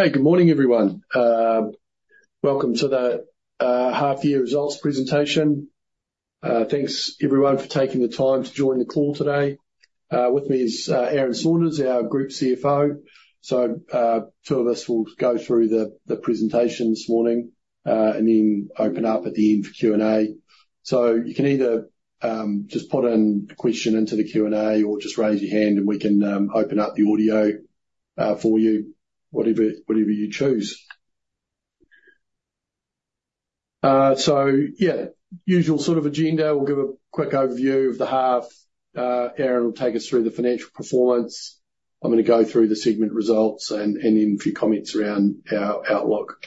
Hey, good morning, everyone. Welcome to the half year results presentation. Thanks everyone for taking the time to join the call today. With me is Aaron Saunders, our Group CFO. So, two of us will go through the presentation this morning, and then open up at the end for Q&A. So you can either just put in a question into the Q&A or just raise your hand and we can open up the audio for you, whatever you choose. So yeah, usual sort of agenda. We'll give a quick overview of the half. Aaron will take us through the financial performance. I'm gonna go through the segment results and then a few comments around our outlook.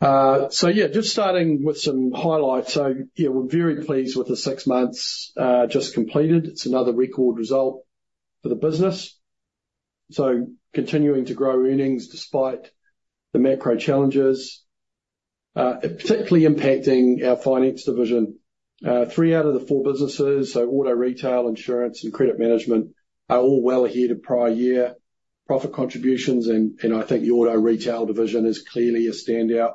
So yeah, just starting with some highlights. So yeah, we're very pleased with the six months just completed. It's another record result for the business. So continuing to grow earnings despite the macro challenges, particularly impacting our Finance division. Three out of the four businesses, so Auto Retail, Insurance and Credit Management, are all well ahead of prior year profit contributions, and I think the Auto Retail division is clearly a standout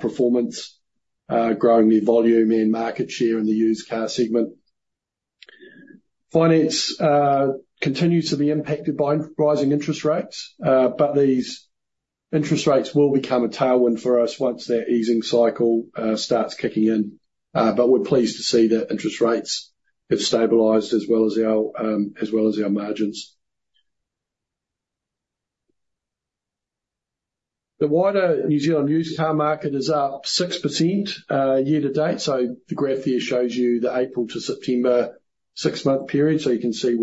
performance, growing their volume and market share in the used car segment. Finance continues to be impacted by rising interest rates, but these interest rates will become a tailwind for us once their easing cycle starts kicking in. But we're pleased to see that interest rates have stabilized as well as our, as well as our margins. The wider New Zealand used car market is up 6%, year-to-date. So the graph here shows you the April-September six-month period. So you can see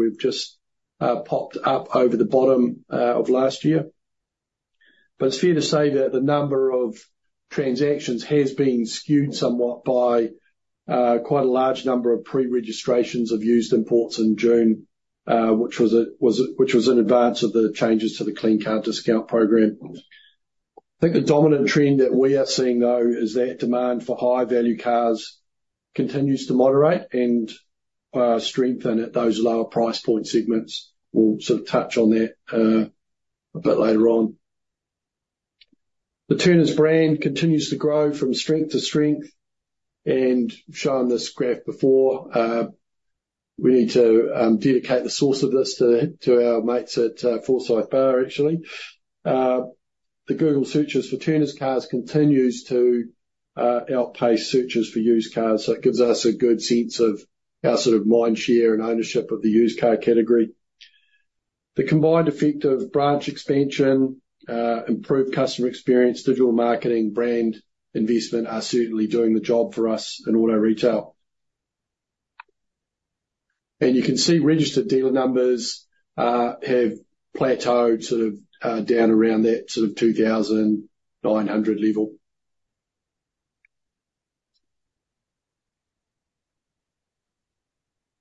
we've just popped up over the bottom of last year. But it's fair to say that the number of transactions has been skewed somewhat by quite a large number of pre-registrations of used imports in June, which was in advance of the changes to the Clean Car Discount program. I think the dominant trend that we are seeing, though, is that demand for high-value cars continues to moderate and strengthen at those lower price point segments. We'll sort of touch on that a bit later on. The Turners brand continues to grow from strength to strength. And I've shown this graph before, we need to dedicate the source of this to our mates at Forsyth Barr, actually. The Google searches for Turners Cars continues to outpace searches for used cars, so it gives us a good sense of our sort of mindshare and ownership of the used car category. The combined effect of branch expansion, improved customer experience, digital marketing, brand investment, are certainly doing the job for us in Auto Retail. And you can see registered dealer numbers have plateaued sort of down around that sort of 2,900 level.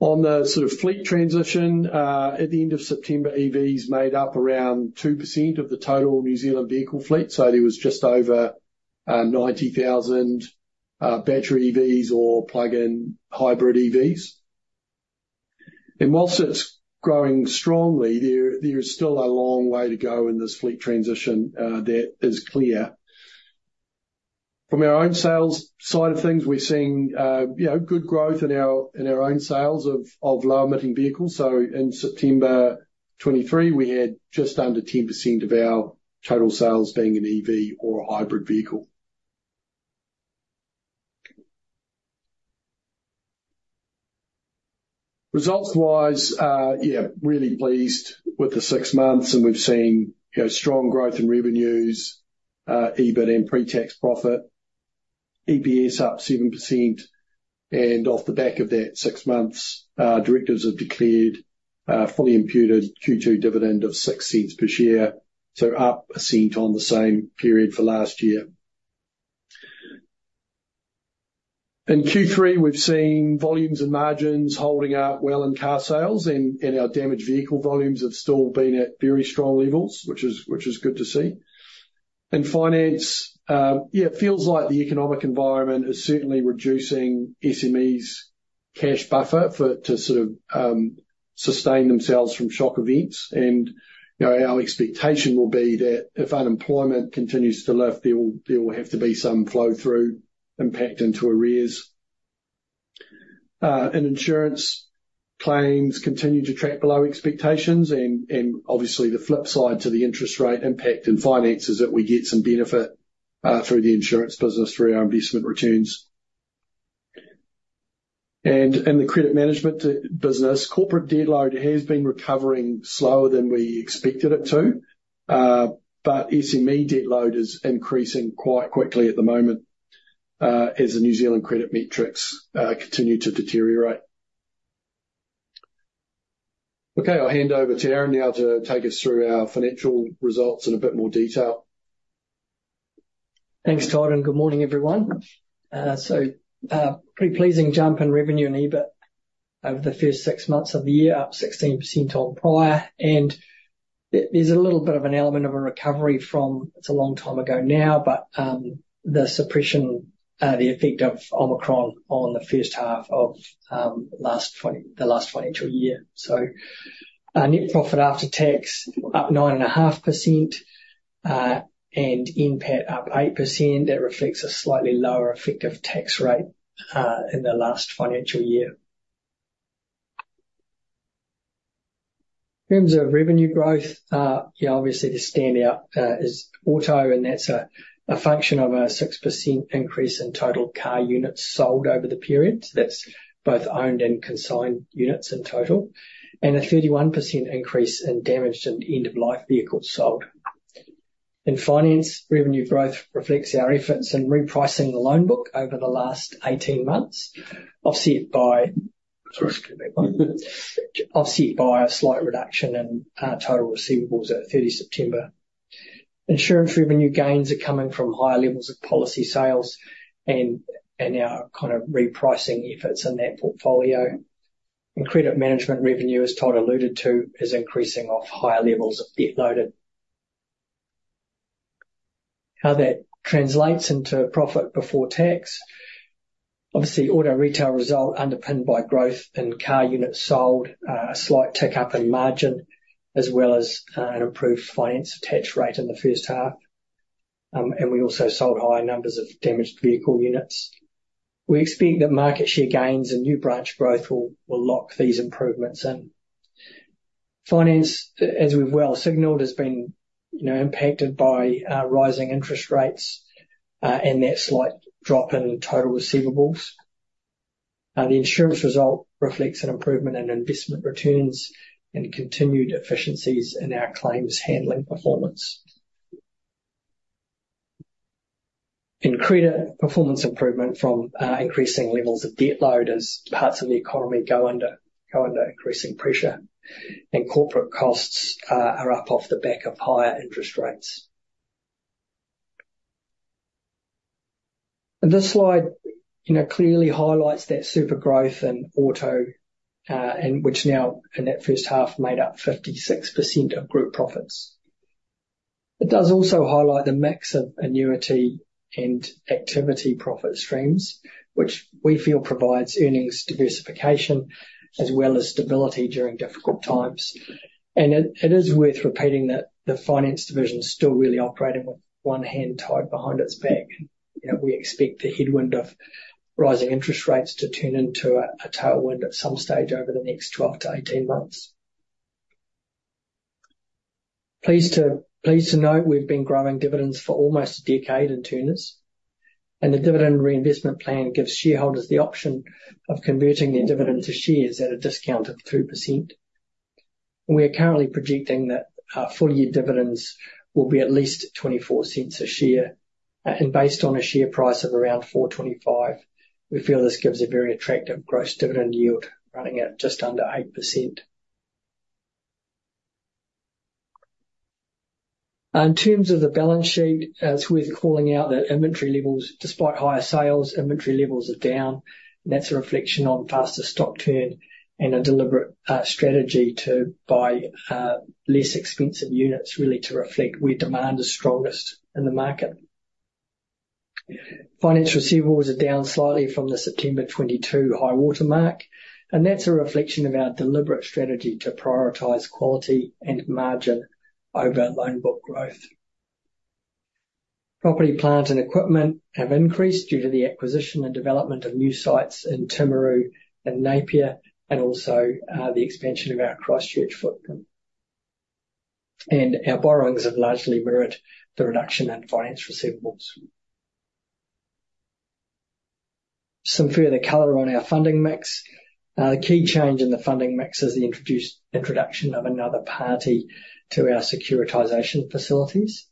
On the sort of fleet transition, at the end of September, EVs made up around 2% of the total New Zealand vehicle fleet, so there was just over 90,000 battery EVs or plug-in hybrid EVs. And while it's growing strongly, there is still a long way to go in this fleet transition, that is clear. From our own sales side of things, we're seeing, you know, good growth in our, in our own sales of, of low-emitting vehicles. So in September 2023, we had just under 10% of our total sales being an EV or a hybrid vehicle. Results-wise, yeah, really pleased with the six months, and we've seen, you know, strong growth in revenues, EBIT and pre-tax profit. EPS up 7%, and off the back of that six months, Directors have declared a fully imputed Q2 dividend of 0.06 per share, so up NZD 0.01 on the same period for last year. In Q3, we've seen volumes and margins holding up well in car sales, and, and our damaged vehicle volumes have still been at very strong levels, which is, which is good to see. In Finance, yeah, it feels like the economic environment is certainly reducing SMEs' cash buffer for to sort of sustain themselves from shock events. You know, our expectation will be that if unemployment continues to lift, there will have to be some flow-through impact into arrears. Insurance claims continue to track below expectations, and obviously, the flip side to the interest rate impact in Finance is that we get some benefit through the Insurance business, through our investment returns. In the Credit Management business, corporate debt load has been recovering slower than we expected it to. But SME debt load is increasing quite quickly at the moment, as the New Zealand credit metrics continue to deteriorate. Okay, I'll hand over to Aaron now to take us through our financial results in a bit more detail. Thanks, Todd, and good morning, everyone. So, pretty pleasing jump in revenue and EBIT over the first six months of the year, up 16% on prior, and there's a little bit of an element of a recovery from... It's a long time ago now, but, the effect of Omicron on the first half of, the last financial year. So our net profit after tax, up 9.5%, and NPAT up 8%. That reflects a slightly lower effective tax rate in the last financial year. In terms of revenue growth, yeah, obviously, the standout is Auto, and that's a function of a 6% increase in total car units sold over the period. So that's both owned and consigned units in total, and a 31% increase in damaged and end-of-life vehicles sold. In Finance, revenue growth reflects our efforts in repricing the loan book over the last 18 months, offset by- Sorry, excuse me.... Offset by a slight reduction in total receivables at 30 September. Insurance revenue gains are coming from higher levels of policy sales and our kind of repricing efforts in that portfolio. And Credit Management revenue, as Todd alluded to, is increasing off higher levels of debt loaded. How that translates into profit before tax, obviously, Auto Retail result underpinned by growth in car units sold, a slight tick up in margin, as well as an improved Finance attach rate in the first half. And we also sold high numbers of damaged vehicle units. We expect that market share gains and new branch growth will lock these improvements in. Finance, as we've well signaled, has been, you know, impacted by rising interest rates and that slight drop in total receivables. The Insurance result reflects an improvement in investment returns and continued efficiencies in our claims handling performance. In credit, performance improvement from increasing levels of debt load as parts of the economy go under increasing pressure, and corporate costs are up off the back of higher interest rates. This slide, you know, clearly highlights that super growth in Auto, and which now, in that first half, made up 56% of group profits. It does also highlight the mix of annuity and activity profit streams, which we feel provides earnings diversification as well as stability during difficult times. It is worth repeating that the Finance division is still really operating with one hand tied behind its back. You know, we expect the headwind of rising interest rates to turn into a tailwind at some stage over the next 12 months-18 months. Pleased to note, we've been growing dividends for almost a decade in Turners, and the dividend reinvestment plan gives shareholders the option of converting their dividend to shares at a discount of 2%. We are currently projecting that our full-year dividends will be at least 0.24 a share, and based on a share price of around 4.25, we feel this gives a very attractive gross dividend yield running at just under 8%. In terms of the balance sheet, it's worth calling out that inventory levels, despite higher sales, inventory levels are down. That's a reflection on faster stock turn and a deliberate strategy to buy less expensive units, really to reflect where demand is strongest in the market. Finance receivables are down slightly from the September 2022 high water mark, and that's a reflection of our deliberate strategy to prioritize quality and margin over loan book growth. Property, plant, and equipment have increased due to the acquisition and development of new sites in Timaru and Napier, and also the expansion of our Christchurch footprint. Our borrowings have largely mirrored the reduction in Finance receivables. Some further color on our funding mix. The key change in the funding mix is the introduction of another party to our securitization facilities.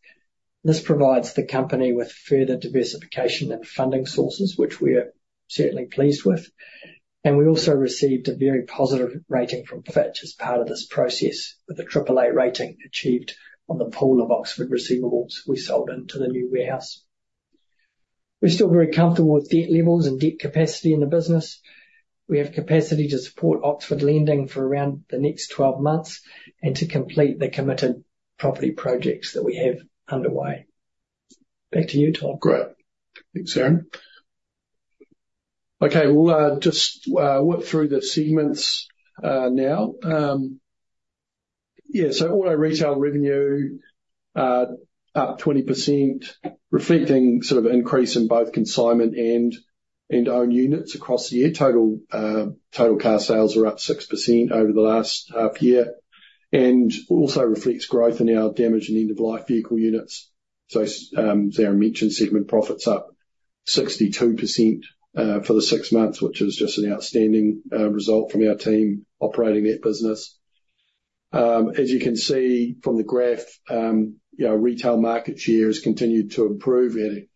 This provides the company with further diversification in funding sources, which we are certainly pleased with. We also received a very positive rating from Fitch as part of this process, with a AAA rating achieved on the pool of Oxford receivables we sold into the new warehouse. We're still very comfortable with debt levels and debt capacity in the business. We have capacity to support Oxford lending for around the next 12 months and to complete the committed property projects that we have underway. Back to you, Todd. Great. Thanks, Aaron. Okay, we'll just work through the segments now. Yeah, so Auto Retail revenue up 20%, reflecting sort of an increase in both consignment and owned units across the year. Total car sales are up 6% over the last half year, and also reflects growth in our damaged and end-of-life vehicle units. So, as Aaron mentioned, segment profits up 62% for the six months, which is just an outstanding result from our team operating that business. As you can see from the graph, you know, retail market share has continued to improve, and you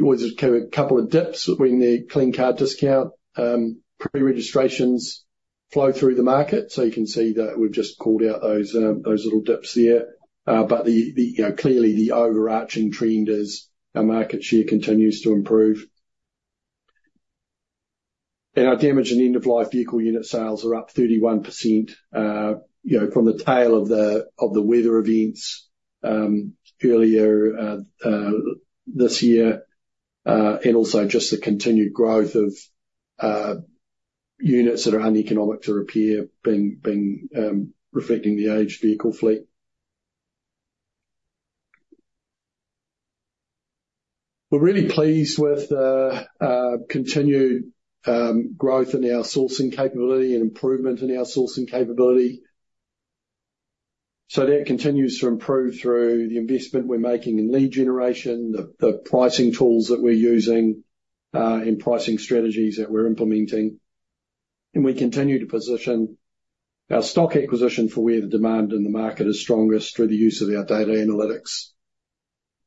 always have a couple of dips when the Clean Car Discount pre-registrations flow through the market, so you can see that we've just called out those little dips there. But you know, clearly the overarching trend is our market share continues to improve and our damaged and end-of-life vehicle unit sales are up 31%, you know, from the tail of the weather events earlier this year. And also just the continued growth of units that are uneconomic to repair being reflecting the aged vehicle fleet. We're really pleased with the continued growth in our sourcing capability and improvement in our sourcing capability. So that continues to improve through the investment we're making in lead generation, the pricing tools that we're using, and pricing strategies that we're implementing. And we continue to position our stock acquisition for where the demand in the market is strongest through the use of our data analytics.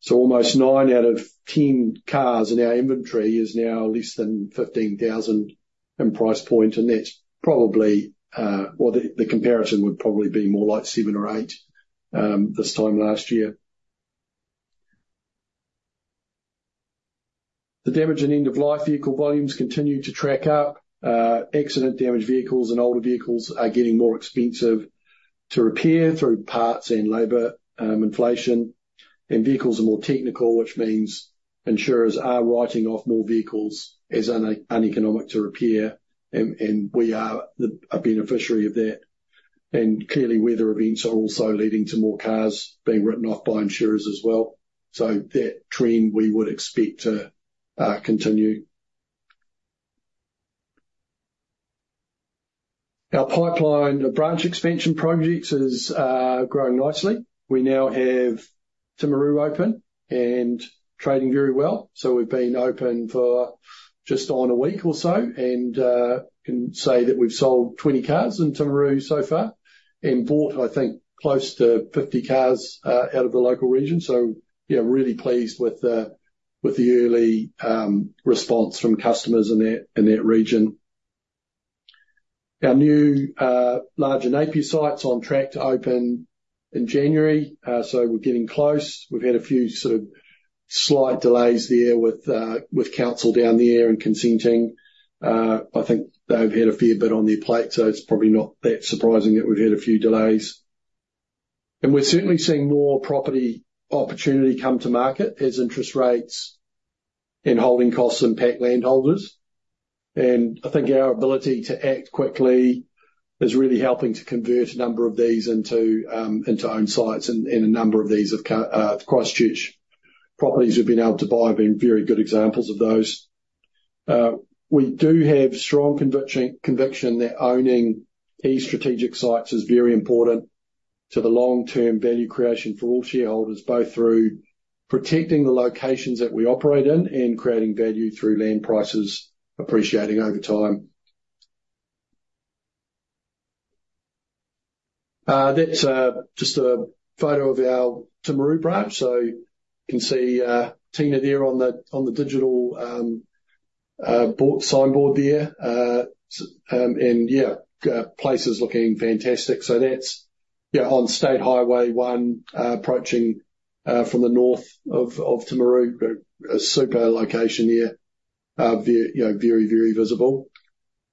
So almost nine out of 10 cars in our inventory is now less than 15,000 in price point, and that's probably... Well, the comparison would probably be more like seven or eight this time last year. The damaged and end-of-life vehicle volumes continue to track up. Accident damage vehicles and older vehicles are getting more expensive to repair through parts and labor inflation. And vehicles are more technical, which means insurers are writing off more vehicles as uneconomic to repair, and we are a beneficiary of that. And clearly, weather events are also leading to more cars being written off by insurers as well. So that trend, we would expect to continue. Our pipeline of branch expansion projects is growing nicely. We now have Timaru open and trading very well. So we've been open for just on a week or so, and can say that we've sold 20 cars in Timaru so far, and bought, I think, close to 50 cars out of the local region. So yeah, really pleased with the early response from customers in that region. Our new larger Napier site's on track to open in January. So we're getting close. We've had a few sort of slight delays there with council down there and consenting. I think they've had a fair bit on their plate, so it's probably not that surprising that we've had a few delays. And we're certainly seeing more property opportunity come to market as interest rates and holding costs impact landholders. I think our ability to act quickly is really helping to convert a number of these into owned sites. And a number of these have Christchurch properties we've been able to buy have been very good examples of those. We do have strong conviction that owning these strategic sites is very important to the long-term value creation for all shareholders, both through protecting the locations that we operate in and creating value through land prices appreciating over time. That's just a photo of our Timaru branch. So you can see Tina there on the digital board, signboard there. And yeah, place is looking fantastic. So that's yeah, on State Highway 1, approaching from the north of Timaru. But a super location there. You know, very, very visible.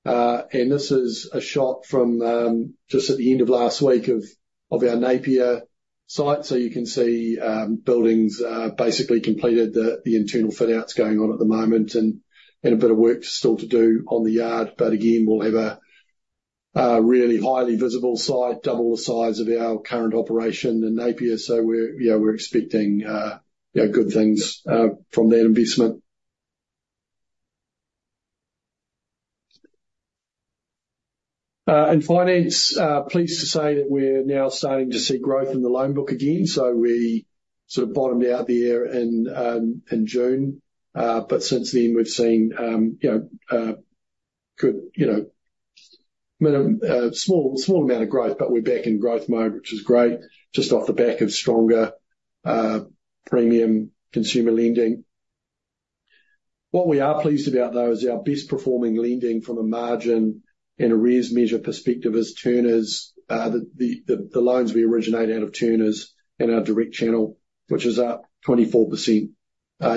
This is a shot from just at the end of last week of our Napier site. So you can see, buildings are basically completed. The internal fit-out's going on at the moment and a bit of work still to do on the yard, but again, we'll have a really highly visible site, double the size of our current operation in Napier. So we're, you know, we're expecting, you know, good things from that investment. In Finance, pleased to say that we're now starting to see growth in the loan book again. So we sort of bottomed out there in June. But since then, we've seen, you know, good, you know, small, small amount of growth, but we're back in growth mode, which is great, just off the back of stronger, premium consumer lending. What we are pleased about, though, is our best performing lending from a margin and arrears measure perspective is Turners. The loans we originate out of Turners and our direct channel, which is up 24%,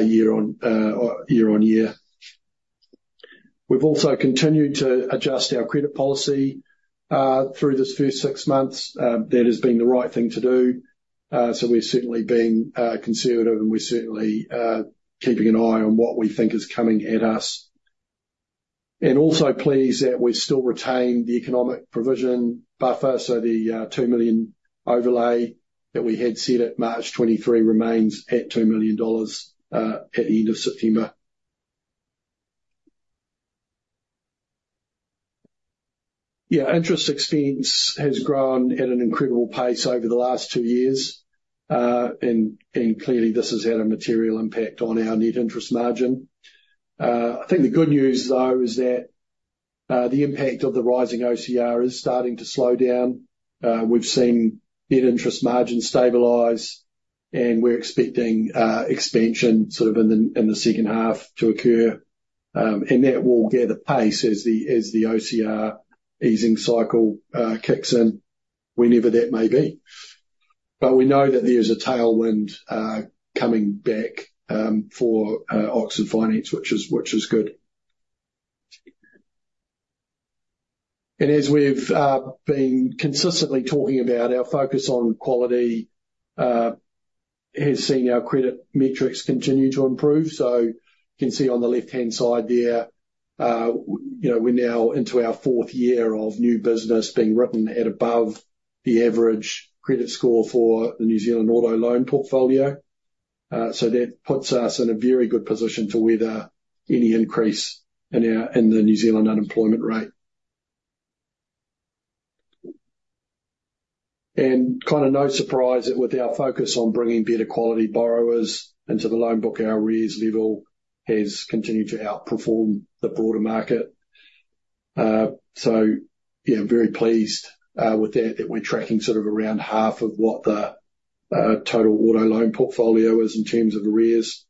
year-on-year. We've also continued to adjust our credit policy through this first six months. That has been the right thing to do. So we've certainly been conservative, and we're certainly keeping an eye on what we think is coming at us. Also pleased that we've still retained the economic provision buffer, so the 2 million overlay that we had set at March 2023 remains at 2 million dollars, at the end of September. Yeah, interest expense has grown at an incredible pace over the last two years, and clearly this has had a material impact on our net interest margin. I think the good news, though, is that the impact of the rising OCR is starting to slow down. We've seen net interest margin stabilize, and we're expecting expansion sort of in the second half to occur. And that will gather pace as the OCR easing cycle kicks in, whenever that may be. But we know that there's a tailwind coming back for Oxford Finance, which is good. As we've been consistently talking about, our focus on quality has seen our credit metrics continue to improve. You can see on the left-hand side there, you know, we're now into our fourth year of new business being written at above the average credit score for the New Zealand auto loan portfolio. So that puts us in a very good position to weather any increase in our, in the New Zealand unemployment rate. Kind of no surprise that with our focus on bringing better quality borrowers into the loan book, our arrears level has continued to outperform the broader market. Yeah, I'm very pleased with that, that we're tracking sort of around half of what the total auto loan portfolio is in terms of arrears.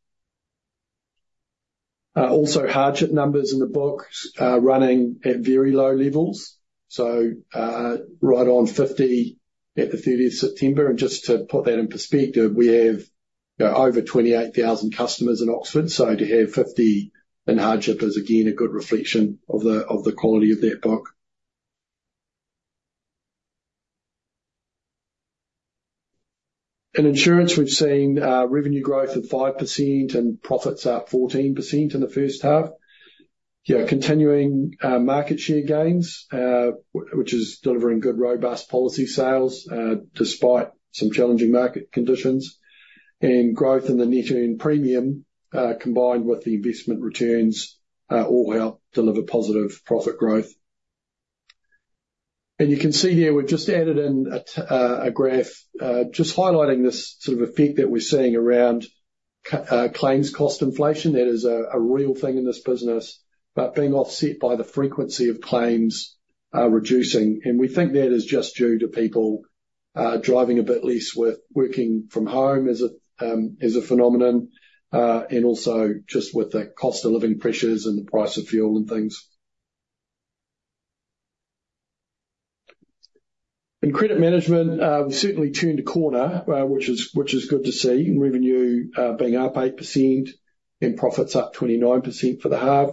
Also, hardship numbers in the book are running at very low levels. So, right on 50 at the 30th of September, and just to put that in perspective, we have, you know, over 28,000 customers in Oxford, so to have 50 in hardship is again, a good reflection of the quality of that book. In Insurance, we've seen revenue growth of 5% and profits up 14% in the first half. Yeah, continuing market share gains, which is delivering good, robust policy sales, despite some challenging market conditions and growth in the net earned premium, combined with the investment returns, all help deliver positive profit growth. And you can see here, we've just added in a graph, just highlighting this sort of effect that we're seeing around claims cost inflation. That is a real thing in this business. But being offset by the frequency of claims reducing. We think that is just due to people driving a bit less with working from home as a phenomenon, and also just with the cost of living pressures and the price of fuel and things. In Credit Management, we've certainly turned a corner, which is good to see, revenue being up 8% and profits up 29% for the half.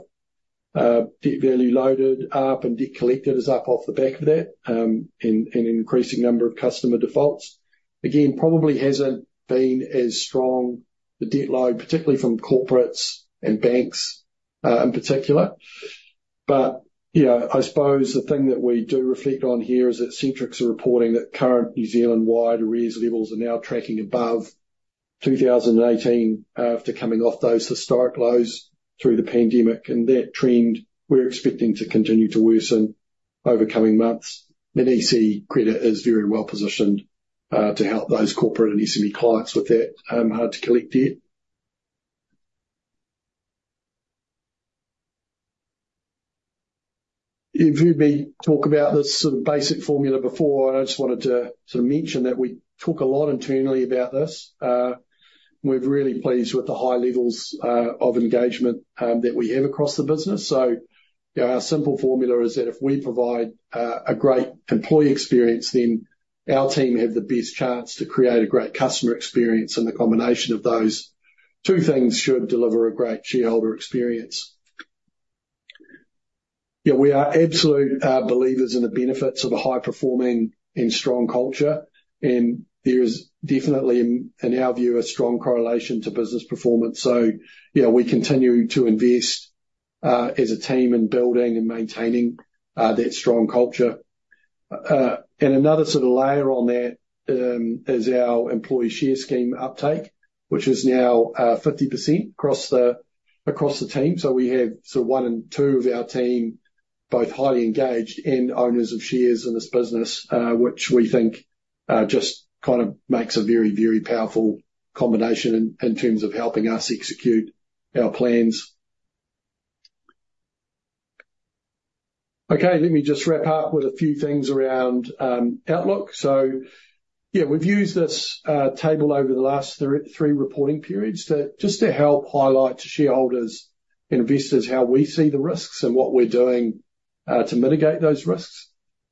Debt value loaded up and debt collected is up off the back of that, and an increasing number of customer defaults. Again, probably hasn't been as strong the debt load, particularly from corporates and banks, in particular. But, you know, I suppose the thing that we do reflect on here is that Centrix are reporting that current New Zealand-wide arrears levels are now tracking above 2018, after coming off those historic lows through the pandemic. And that trend we're expecting to continue to worsen over coming months. EC Credit is very well positioned to help those corporate and SME clients with that hard-to-collect debt. You've heard me talk about this sort of basic formula before, and I just wanted to mention that we talk a lot internally about this. We're really pleased with the high levels of engagement, that we have across the business. So, you know, our simple formula is that if we provide a great employee experience, then our team have the best chance to create a great customer experience, and the combination of those two things should deliver a great shareholder experience. Yeah, we are absolute believers in the benefits of a high-performing and strong culture, and there is definitely, in our view, a strong correlation to business performance. So, you know, we continue to invest as a team in building and maintaining that strong culture. And another sort of layer on that is our employee share scheme uptake, which is now 50% across the team. So we have sort of one in two of our team, both highly engaged and owners of shares in this business, which we think, just kind of makes a very, very powerful combination in, in terms of helping us execute our plans. Okay, let me just wrap up with a few things around outlook. So, yeah, we've used this table over the last three reporting periods to, just to help highlight to shareholders and investors how we see the risks and what we're doing to mitigate those risks.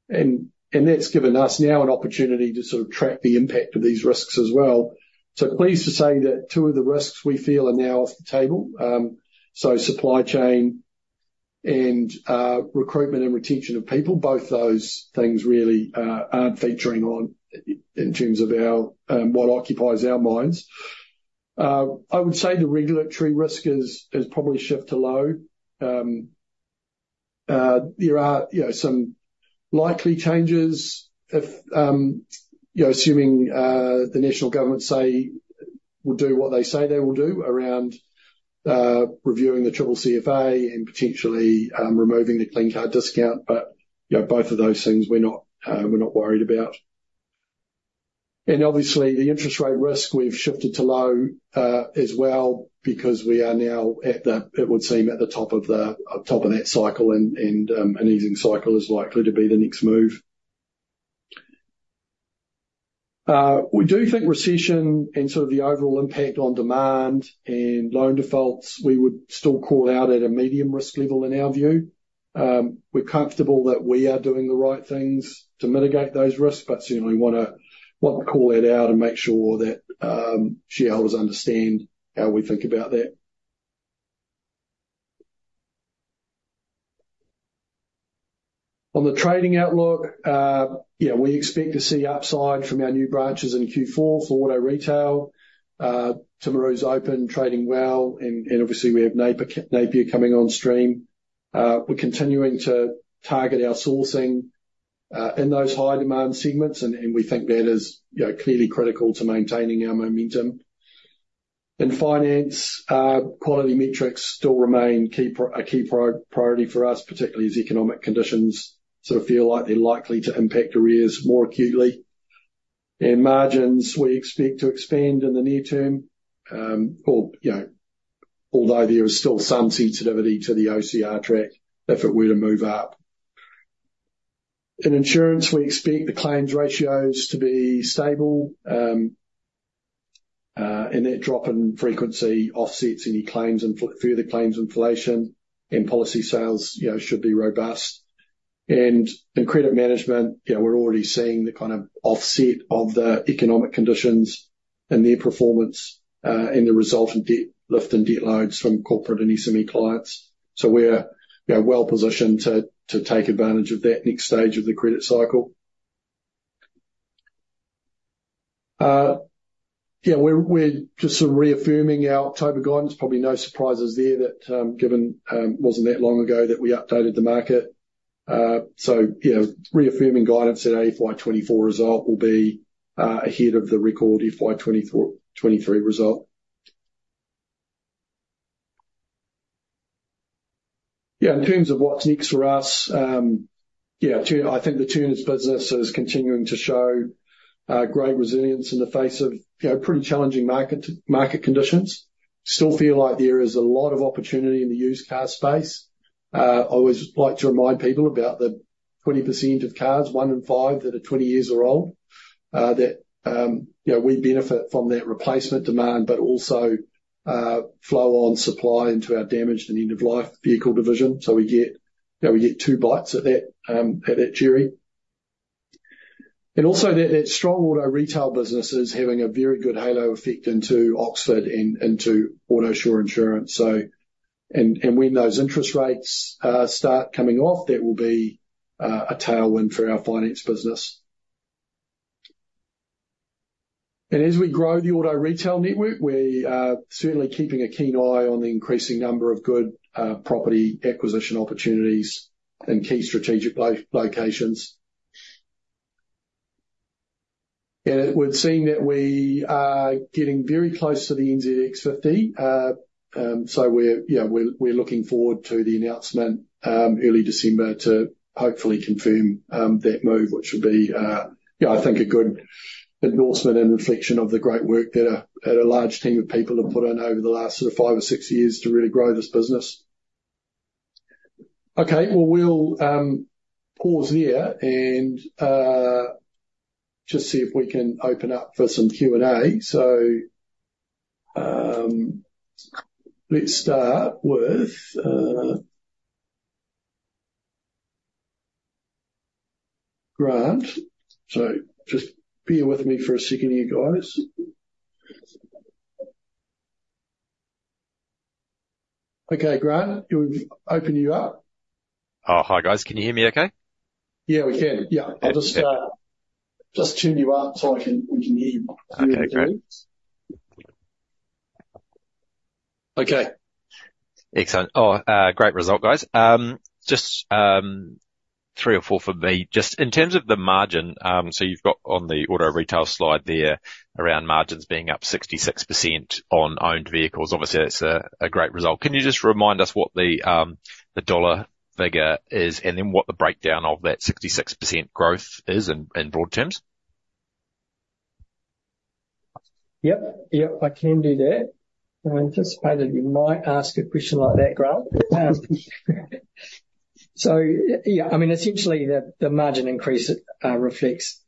And that's given us now an opportunity to sort of track the impact of these risks as well. So pleased to say that two of the risks we feel are now off the table. So supply chain and recruitment and retention of people, both those things really aren't featuring on, in terms of our what occupies our minds. I would say the regulatory risk is, has probably shifted to low. There are, you know, some likely changes if, you know, assuming the National government say will do what they say they will do around reviewing the CCCFA and potentially removing the Clean Car Discount. But, you know, both of those things we're not, we're not worried about. And obviously, the interest rate risk we've shifted to low as well, because we are now at the, it would seem, at the top of the top of that cycle and an easing cycle is likely to be the next move. We do think recession and sort of the overall impact on demand and loan defaults, we would still call out at a medium risk level in our view. We're comfortable that we are doing the right things to mitigate those risks, but certainly want to, want to call that out and make sure that shareholders understand how we think about that. On the trading outlook, we expect to see upside from our new branches in Q4 for Auto Retail. Timaru's open, trading well, and obviously we have Napier, Napier coming on stream. We're continuing to target our sourcing in those high-demand segments, and we think that is, you know, clearly critical to maintaining our momentum. In Finance, quality metrics still remain a key priority for us, particularly as economic conditions sort of feel like they're likely to impact arrears more acutely. Margins we expect to expand in the near term, you know, although there is still some sensitivity to the OCR track if it were to move up. In Insurance, we expect the claims ratios to be stable, and that drop in frequency offsets any further claims inflation, and policy sales, you know, should be robust. In Credit Management, yeah, we're already seeing the kind of offset of the economic conditions and their performance in the resultant debt, lift in debt loads from corporate and SME clients. So we're well positioned to take advantage of that next stage of the credit cycle. Yeah, we're just sort of reaffirming our October guidance. Probably no surprises there that, given, wasn't that long ago that we updated the market. So, you know, reaffirming guidance that FY 2024 result will be ahead of the record FY 2024, 2023 result. Yeah, in terms of what's next for us, yeah, I think the Turners business is continuing to show great resilience in the face of, you know, pretty challenging market, market conditions. Still feel like there is a lot of opportunity in the used car space. I always like to remind people about the 20% of cars, one in five, that are 20 years or old, that, you know, we benefit from that replacement demand, but also, flow-on supply into our damaged and end-of-life vehicle division. So we get, you know, we get two bites at that cherry. And also that strong Auto Retail business is having a very good halo effect into Oxford Finance and into Autosure Insurance, so. And when those interest rates start coming off, that will be a tailwind for our Finance business. And as we grow the Auto Retail network, we are certainly keeping a keen eye on the increasing number of good property acquisition opportunities in key strategic locations. And we've seen that we are getting very close to the NZX 50, so we're, you know, we're, we're looking forward to the announcement early December to hopefully confirm, that move, which will be, you know, I think a good endorsement and reflection of the great work that a, that a large team of people have put in over the last sort of five or six years to really grow this business. Okay, well, we'll, pause there and, just see if we can open up for some Q&A. So, let's start with, Grant. So just bear with me for a second here, guys. Okay, Grant, we've opened you up. Oh. Hi guys. Can you hear me okay? Yeah, we can. Yeah. Yeah. I'll just tune you up so I can, we can hear you. Okay, great. Okay. Excellent. Great result, guys. Just, three or four from me. Just in terms of the margin, so you've got on the Auto Retail slide there around margins being up 66% on owned vehicles. Obviously, that's a great result. Can you just remind us what the, the dollar figure is, and then what the breakdown of that 66% growth is in broad terms? Yep, yep, I can do that. I anticipated you might ask a question like that, Grant. So yeah, I mean, essentially, the margin increase reflects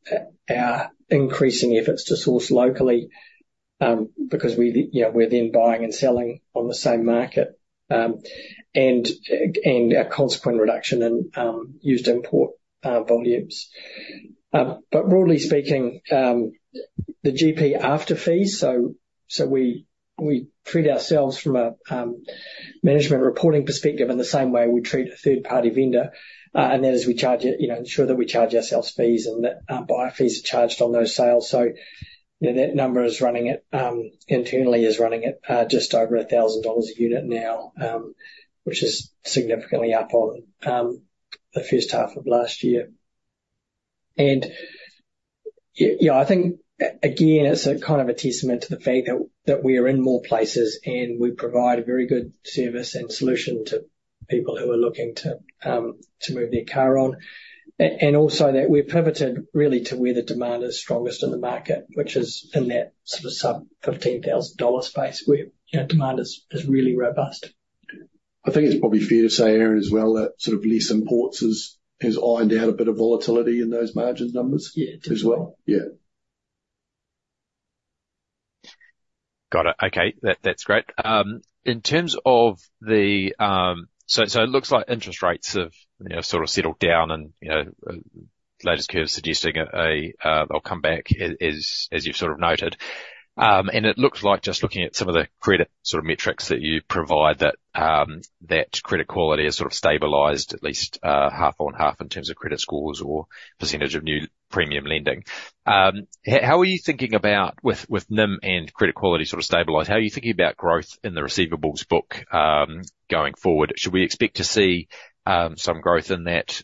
our increasing efforts to source locally, because we, you know, we're then buying and selling on the same market. And our consequent reduction in used import volumes. But broadly speaking, the GP after fees, so we treat ourselves from a management reporting perspective in the same way we treat a third-party vendor. And that is we charge, you know, ensure that we charge ourselves fees and that our buyer fees are charged on those sales. So, you know, that number is running at, internally is running at, just over 1,000 dollars a unit now, which is significantly up on the first half of last year. And yeah, I think, again, it's a kind of a testament to the fact that we are in more places, and we provide a very good service and solution to people who are looking to to move their car on. And also that we've pivoted really to where the demand is strongest in the market, which is in that sort of sub 15,000 space, where, you know, demand is really robust. I think it's probably fair to say, Aaron, as well, that sort of less imports has ironed out a bit of volatility in those margin numbers- Yeah.... as well. Yeah. Got it. Okay, that, that's great. In terms of the, so, so it looks like interest rates have, you know, sort of settled down and, you know, latest curve suggesting a, a, they'll come back as, as you've sort of noted. And it looks like just looking at some of the credit sort of metrics that you provide, that, that credit quality has sort of stabilized at least, half-on-half in terms of credit scores or percentage of new premium lending. How are you thinking about with, with NIM and credit quality sort of stabilized, how are you thinking about growth in the receivables book going forward? Should we expect to see, some growth in that,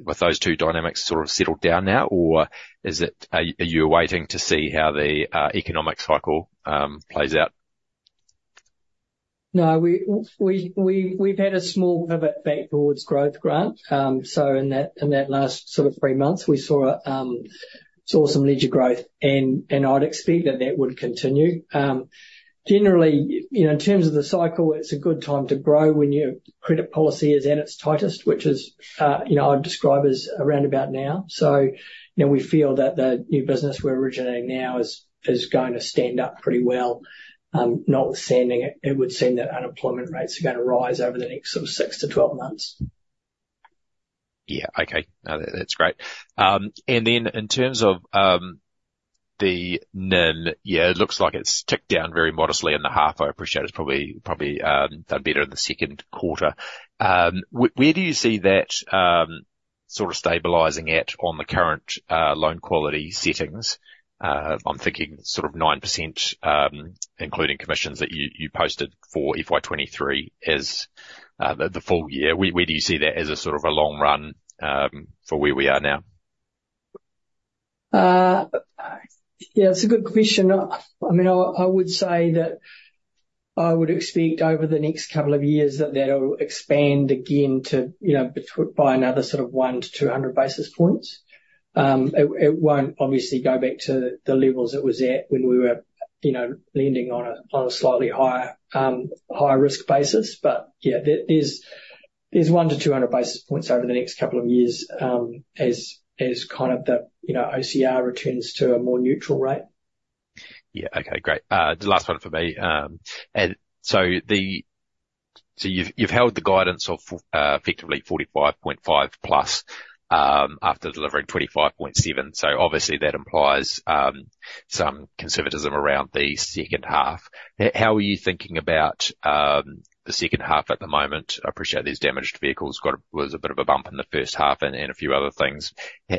with those two dynamics sort of settled down now? Or is it, are you waiting to see how the economic cycle plays out? No, we've had a small pivot back towards growth, Grant. So in that, in that last sort of three months, we saw some ledger growth, and, and I'd expect that that would continue. Generally, you know, in terms of the cycle, it's a good time to grow when your credit policy is at its tightest, which is, you know, I'd describe as around about now. So, you know, we feel that the new business we're originating now is, is going to stand up pretty well, notwithstanding it, it would seem that unemployment rates are gonna rise over the next sort of six to 12 months. Yeah. Okay. No, that's great. And then in terms of the NIM, yeah, it looks like it's ticked down very modestly in the half. I appreciate it's probably, probably done better in the second quarter. Where do you see that sort of stabilizing at, on the current loan quality settings? I'm thinking sort of 9%, including commissions that you, you posted for FY 2023 as the full year. Where do you see that as a sort of a long run for where we are now? Yeah, it's a good question. I mean, I would say that I would expect over the next couple of years that that'll expand again to, you know, by another sort of 100 basis points-200 basis points. It won't obviously go back to the levels it was at when we were, you know, lending on a slightly higher risk basis. But yeah, there's 100 basis points-200 basis points over the next couple of years, as kind of the, you know, OCR returns to a more neutral rate. Yeah. Okay, great. The last one for me. So you've held the guidance of effectively 45.5+ million, after delivering 25.7 million. So obviously that implies some conservatism around the second half. How are you thinking about the second half at the moment? I appreciate these damaged vehicles was a bit of a bump in the first half and a few other things.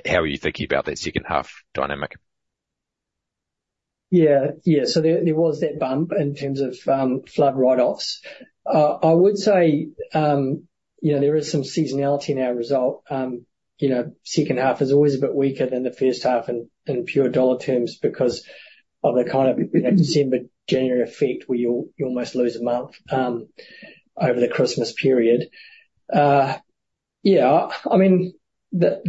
How are you thinking about that second half dynamic? Yeah. Yeah. So there was that bump in terms of flood write-offs. I would say, you know, there is some seasonality in our result. You know, second half is always a bit weaker than the first half in pure dollar terms because of the kind of, you know, December-January effect, where you almost lose a month over the Christmas period. Yeah, I mean, the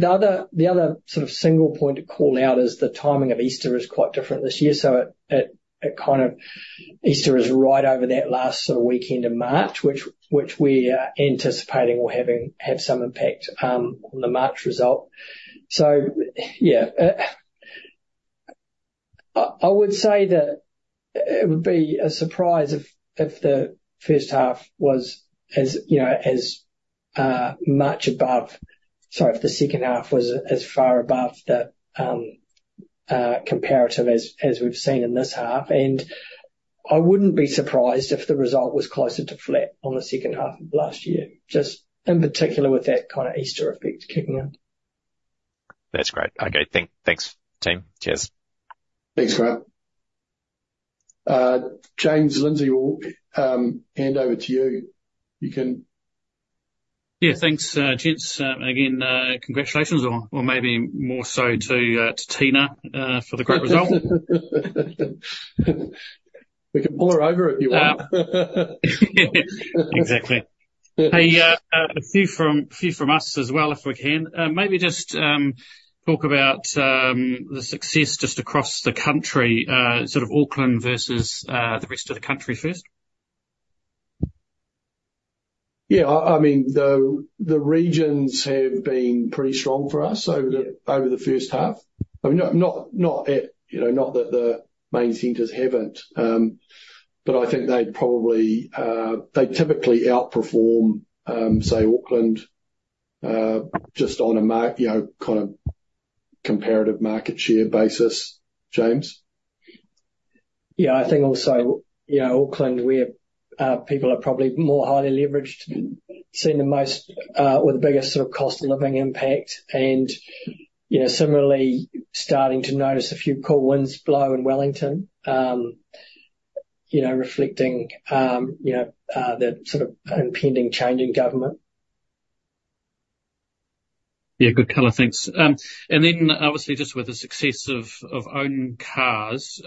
other sort of single point to call out is the timing of Easter is quite different this year, so it kind of... Easter is right over that last sort of weekend of March, which we are anticipating will having, have some impact on the March result. So, yeah, I would say that it would be a surprise if the first half was as, you know, as much above... Sorry, if the second half was as far above the comparative as we've seen in this half. And I wouldn't be surprised if the result was closer to flat on the second half of last year just in particular with that kind of Easter effect kicking in. That's great. Okay, thanks, team. Cheers. Thanks, Grant. James Lindsay, we'll hand over to you. You can- Yeah, thanks, gents. Again, congratulations or maybe more so to Tina for the great result. We can pull her over if you want. Exactly. Hey, a few from us as well, if we can. Maybe just talk about the success just across the country, sort of Auckland versus the rest of the country first. Yeah. I mean, the regions have been pretty strong for us over the first half. I mean, not that the main centers haven't, but I think they'd typically outperform, say, Auckland, just on a market, you know, kind of comparative market share basis, James. Yeah, I think also, you know, Auckland, where people are probably more highly leveraged, seen the most, or the biggest sort of cost of living impact. And, you know, similarly starting to notice a few cool winds blow in Wellington, you know, reflecting, you know, that sort of impending change in government. Yeah, good color. Thanks. And then obviously just with the success of owned cars,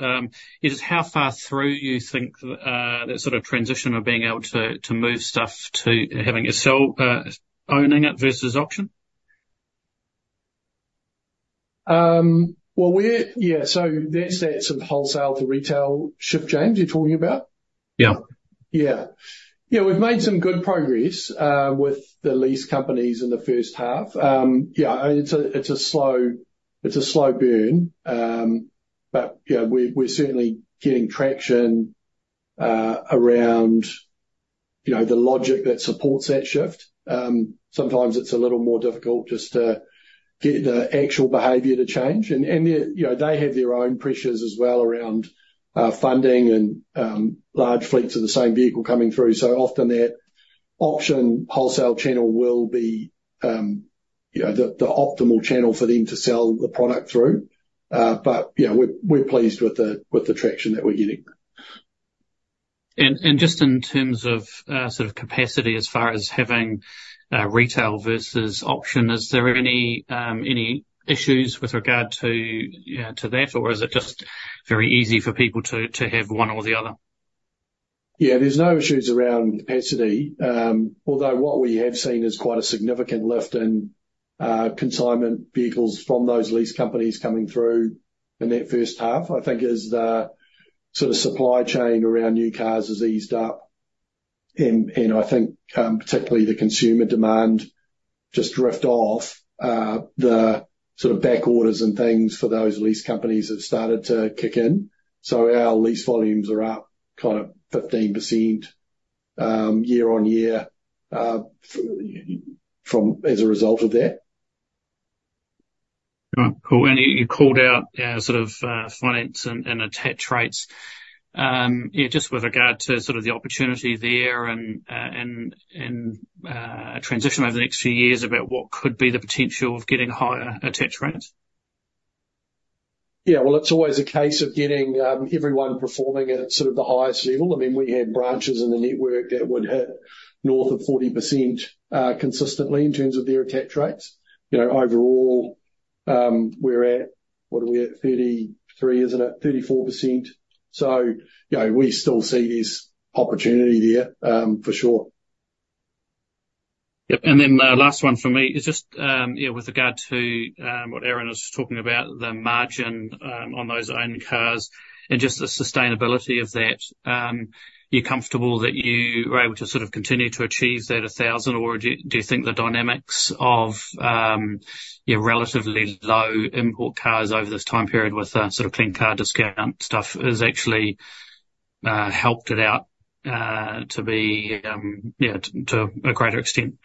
just how far through you think that sort of transition of being able to move stuff to having it sell owning it versus auction? Well, we're-- Yeah, so that's that sort of wholesale to retail shift, James, you're talking about? Yeah. Yeah. Yeah, we've made some good progress with the lease companies in the first half. Yeah, it's a slow burn. But, you know, we're certainly getting traction around, you know, the logic that supports that shift. Sometimes it's a little more difficult just to get the actual behavior to change, and, you know, they have their own pressures as well around funding and large fleets of the same vehicle coming through. So often that auction wholesale channel will be, you know, the optimal channel for them to sell the product through. But, you know, we're pleased with the traction that we're getting. Just in terms of sort of capacity as far as having retail versus auction, is there any issues with regard to, you know, to that? Or is it just very easy for people to have one or the other? Yeah, there's no issues around capacity. Although what we have seen is quite a significant lift in consignment vehicles from those lease companies coming through in that first half. I think as the sort of supply chain around new cars has eased up, and I think particularly the consumer demand just drift off, the sort of back orders and things for those lease companies have started to kick in. So our lease volumes are up kind of 15%, year-on-year, from as a result of that. All right, cool. And you called out our sort of finance and attach rates. Yeah, just with regard to sort of the opportunity there and transition over the next few years about what could be the potential of getting higher attach rates. Yeah, well, it's always a case of getting everyone performing at sort of the highest level. I mean, we had branches in the network that would hit north of 40%, consistently in terms of their attach rates. You know, overall, we're at... What are we at? 33%, isn't it? 34%. So, you know, we still see there's opportunity there, for sure. Yep, and then the last one from me is just, you know, with regard to what Aaron was talking about, the margin on those own cars and just the sustainability of that. You're comfortable that you are able to sort of continue to achieve that 1,000, or do you think the dynamics of your relatively low import cars over this time period with the sort of Clean Car Discount stuff has actually helped it out, to be, yeah, to a greater extent?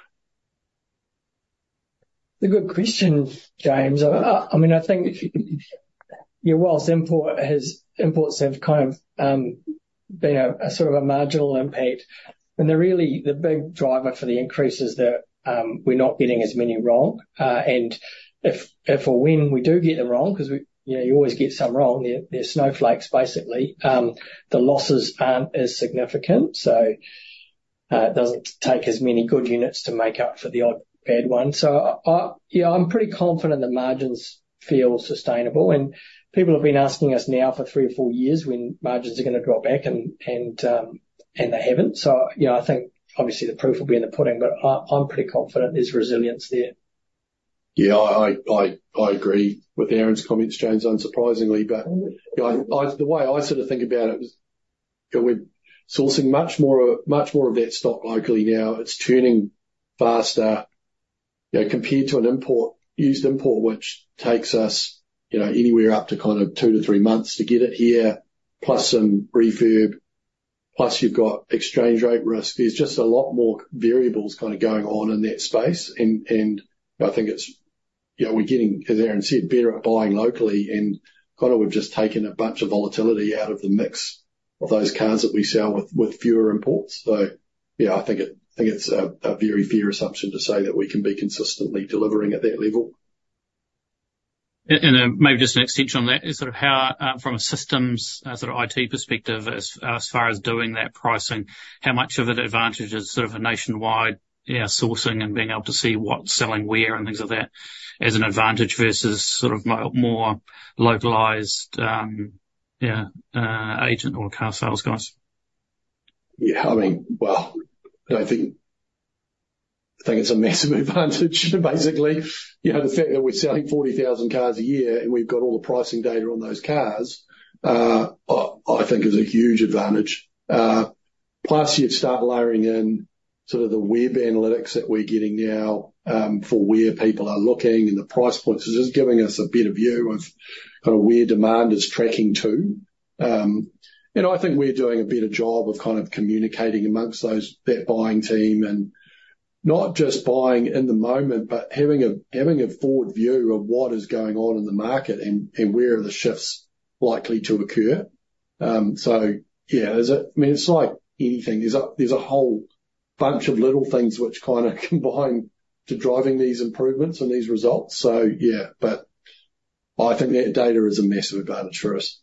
It's a good question, James. I mean, I think if you, yeah, whilst import has, imports have kind of been a sort of a marginal impact, and the really, the big driver for the increase is that, we're not getting as many wrong. And if, if or when we do get them wrong, because we, you know, you always get some wrong, they're, they're snowflakes, basically, the losses aren't as significant. So, it doesn't take as many good units to make up for the odd bad one. So I, yeah, I'm pretty confident that margins feel sustainable, and people have been asking us now for three or four years when margins are going to drop back and, and, and they haven't. You know, I think obviously the proof will be in the pudding, but I'm pretty confident there's resilience there. Yeah, I agree with Aaron's comments, James, unsurprisingly. But, you know, the way I sort of think about it is that we're sourcing much more, much more of that stock locally now. It's turning faster, you know, compared to an import, used import, which takes us, you know, anywhere up to kind of two to three months to get it here plus some refurb, plus you've got exchange rate risk. There's just a lot more variables kind of going on in that space. And I think it's, you know, we're getting, as Aaron said, better at buying locally, and kind of we've just taken a bunch of volatility out of the mix of those cars that we sell with fewer imports. So, yeah, I think it's a very fair assumption to say that we can be consistently delivering at that level. Maybe just an extension on that is sort of how from a systems sort of IT perspective, as far as doing that pricing, how much of an advantage is sort of a nationwide sourcing and being able to see what's selling where and things like that as an advantage versus sort of more localized agent or car sales guys? Yeah. I mean, well, I think, I think it's a massive advantage basically. You know, the fact that we're selling 40,000 cars a year, and we've got all the pricing data on those cars, I think is a huge advantage. Plus you'd start layering in sort of the web analytics that we're getting now for where people are looking and the price points. It's just giving us a better view of kind of where demand is tracking to. And I think we're doing a better job of kind of communicating amongst those, that buying team, and not just buying in the moment. But having a forward view of what is going on in the market and where are the shifts likely to occur. So yeah, there's a... I mean, it's like anything, there's a whole bunch of little things which kind of combine to driving these improvements and these results. So yeah, but I think that data is a massive advantage for us.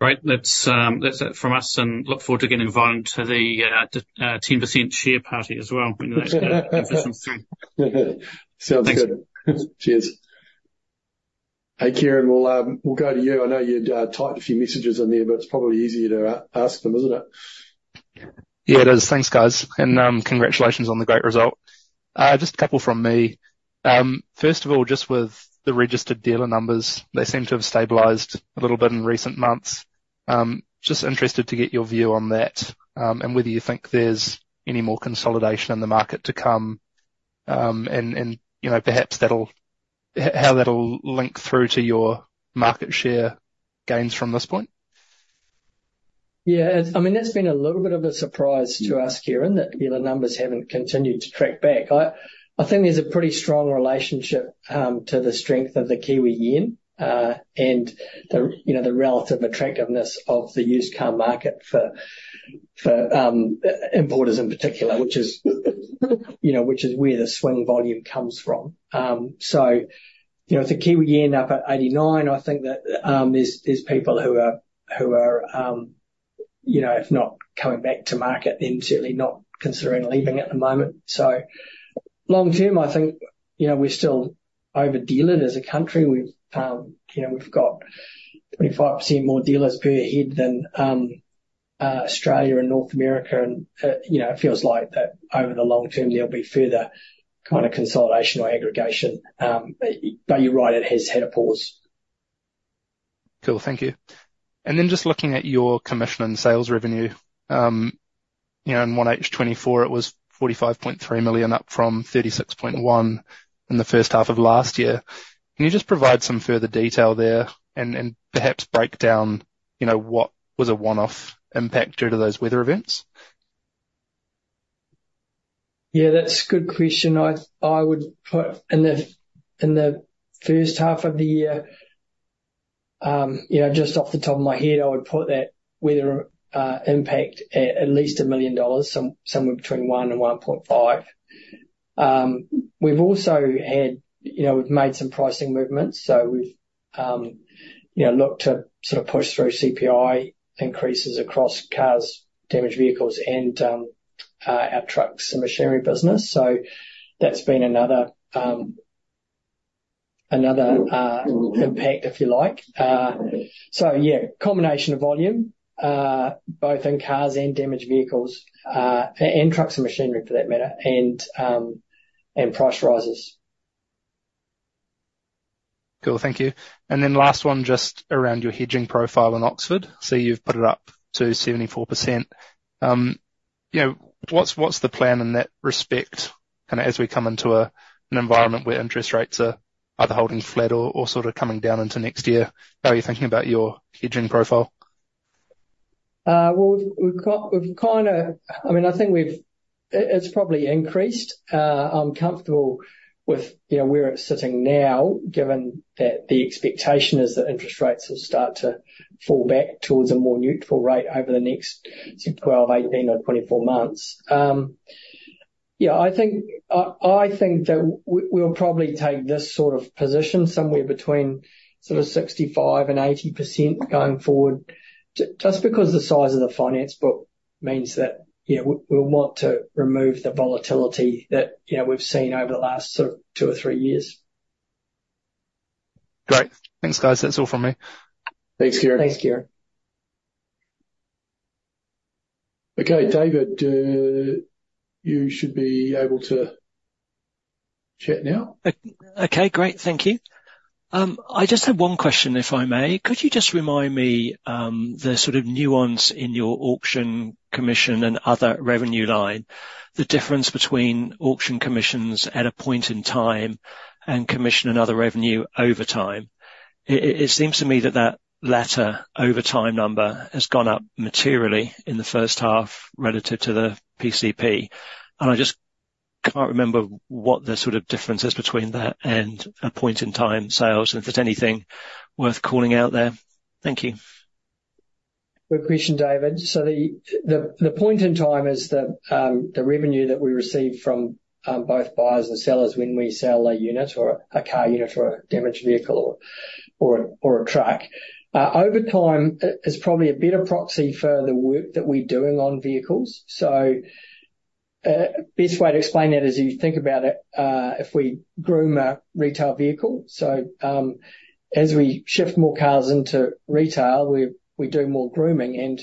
Great! That's it from us, and look forward to getting invited to the 10% share party as well when that's through. Sounds good. Thanks. Cheers. Hey, Kieran, we'll go to you. I know you typed a few messages in there, but it's probably easier to ask them, isn't it? Yeah, it is. Thanks, guys, and, congratulations on the great result. Just a couple from me. First of all, just with the registered dealer numbers, they seem to have stabilized a little bit in recent months. Just interested to get your view on that, and whether you think there's any more consolidation in the market to come. And, you know, perhaps that'll, how that'll link through to your market share gains from this point. Yeah, I mean, that's been a little bit of a surprise to us, Kieran, that dealer numbers haven't continued to track back. I think there's a pretty strong relationship to the strength of the Kiwi Yen, and the, you know, the relative attractiveness of the used car market for importers in particular, which is, you know, which is where the swing volume comes from. So, you know, with the Kiwi Yen up at 89, I think that there's people who are, you know, if not coming back to market, then certainly not considering leaving at the moment. So long term, I think, you know, we're still over-dealed as a country. We've, you know, we've got 25% more dealers per head than Australia and North America. You know, it feels like that over the long term, there'll be further kind of consolidation or aggregation. But you're right, it has had a pause. Cool. Thank you. Then just looking at your commission and sales revenue, you know, in 1H 2024, it was 45.3 million, up from 36.1 million in the first half of last year. Can you just provide some further detail there and, and perhaps break down, you know, what was a one-off impact due to those weather events? Yeah, that's a good question. I would put in the first half of the year, you know, just off the top of my head, I would put that weather impact at least 1 million dollars, somewhere between 1 million and 1.5 million. We've also had, you know, we've made some pricing movements. So we've, you know, looked to sort of push through CPI increases across cars, damaged vehicles, and our trucks and machinery business. So that's been another impact, if you like. So yeah, combination of volume both in cars and damaged vehicles and trucks and machinery, for that matter, and price rises. Cool. Thank you. And then last one, just around your hedging profile in Oxford. So you've put it up to 74%. You know, what's, what's the plan in that respect, kind of as we come into an environment where interest rates are either holding flat or sort of coming down into next year? How are you thinking about your hedging profile? Well, we've kind of... I mean, I think it's probably increased. I'm comfortable with, you know, where it's sitting now, given that the expectation is that interest rates will start to fall back towards a more neutral rate over the next 12 months, 18 months, or 24 months. Yeah, I think that we'll probably take this sort of position somewhere between sort of 65% and 80% going forward, just because the size of the finance book means that, you know, we, we'll want to remove the volatility that, you know, we've seen over the last sort of two or three years. Great. Thanks, guys. That's all from me. Thanks, Kieran. Thanks, Kieran. Okay, David, you should be able to chat now. Okay, great. Thank you. I just have one question, if I may. Could you just remind me, the sort of nuance in your auction commission and other revenue line, the difference between auction commissions at a point in time and commission and other revenue over time? It seems to me that that latter over time number has gone up materially in the first half relative to the PCP, and I just can't remember what the sort of difference is between that and a point-in-time sales, and if there's anything worth calling out there. Thank you. Good question, David. So the point in time is the revenue that we receive from both buyers and sellers when we sell a unit or a car unit or a damaged vehicle or a truck. Over time, it is probably a better proxy for the work that we're doing on vehicles. So best way to explain that is you think about it if we groom a retail vehicle. So as we shift more cars into retail, we do more grooming, and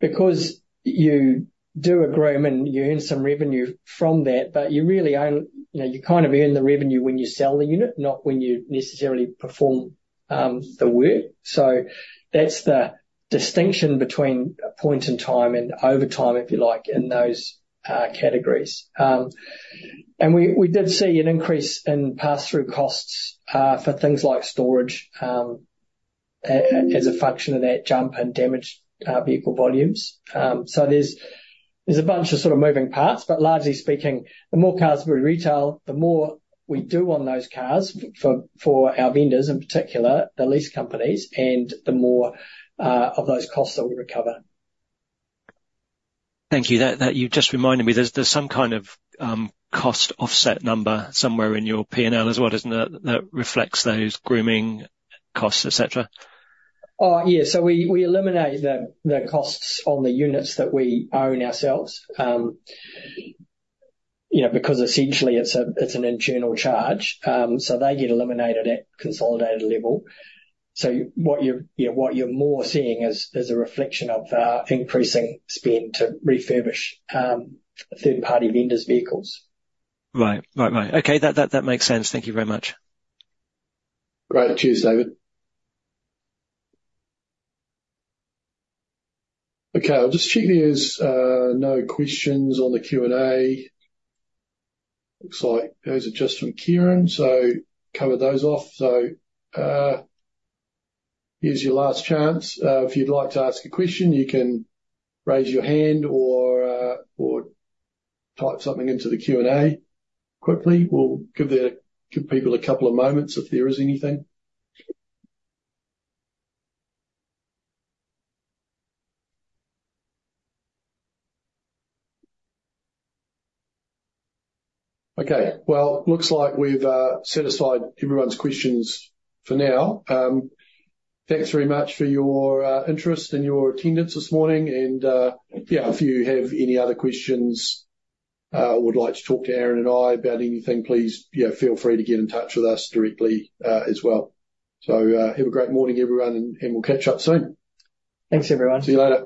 because you do a groom and you earn some revenue from that, but you really only, you know, you kind of earn the revenue when you sell the unit, not when you necessarily perform the work. So that's the distinction between a point in time and over time, if you like, in those categories. And we did see an increase in pass-through costs for things like storage as a function of that jump in damaged vehicle volumes. So there's a bunch of sort of moving parts, but largely speaking, the more cars we retail, the more we do on those cars for our vendors in particular the lease companies, and the more of those costs that we recover. Thank you. That, that... You've just reminded me, there's, there's some kind of cost offset number somewhere in your P&L as well, isn't there, that reflects those grooming costs, et cetera? Yeah. So we eliminate the costs on the units that we own ourselves. You know, because essentially it's an internal charge, so they get eliminated at consolidated level. So you know, what you're more seeing is a reflection of increasing spend to refurbish third-party vendors' vehicles. Right. Okay, that makes sense. Thank you very much. Great. Cheers, David. Okay, I'll just check there's no questions on the Q&A. Looks like those are just from Kieran, so covered those off. So, here's your last chance. If you'd like to ask a question, you can raise your hand or or type something into the Q&A quickly. We'll give it, give people a couple of moments if there is anything. Okay, well, looks like we've set aside everyone's questions for now. Thanks very much for your interest and your attendance this morning. And, yeah, if you have any other questions or would like to talk to Aaron and I about anything please, you know, feel free to get in touch with us directly as well. So, have a great morning everyone, and we'll catch up soon. Thanks, everyone. See you later.